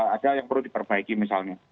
ada yang perlu diperbaiki misalnya